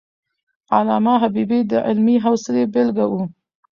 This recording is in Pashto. علامه حبيبي د علمي حوصلي بېلګه وو.